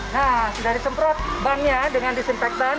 nah sudah disemprot bannya dengan disinfektan